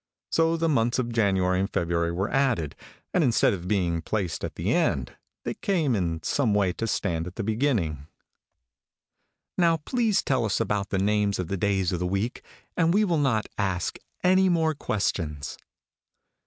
So the months of January and February were added, and instead of being placed at the end, they came in some way to stand at the beginning." "Now please tell us about the names of the days of the week, and we will not ask any more questions."